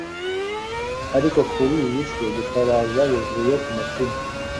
ariko kuri iyi si gutabaza bivuye ku mutima